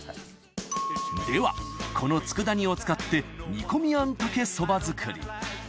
ではこの佃煮を使って煮込みあんかけそば作り。